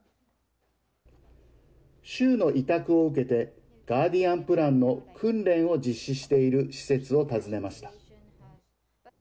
州の委託を受けてガーディアン・プランの訓練を実施している施設を訪ねました。